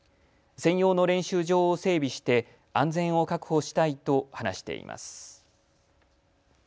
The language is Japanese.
専用の練習場を整備して安全を確保したいと話しています。